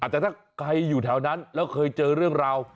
แต่ถ้าใครอยู่แถวนั้นแล้วเคยเจอเรื่องราว